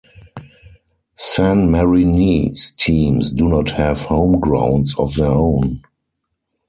Sanmarinese teams do not have home grounds of their own.